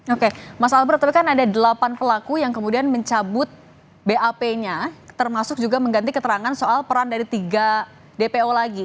oke mas albert tapi kan ada delapan pelaku yang kemudian mencabut bap nya termasuk juga mengganti keterangan soal peran dari tiga dpo lagi